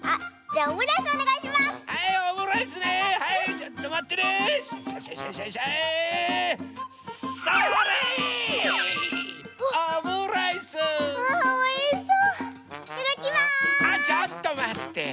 あちょっとまって！